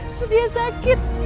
terus dia sakit